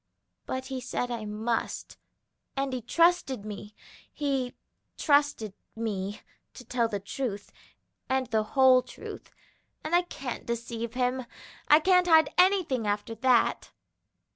But he said I must, and he trusted me, he trusted me to tell the truth and the whole truth, and I can't deceive him; I can't hide anything after that."